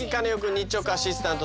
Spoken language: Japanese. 日直アシスタント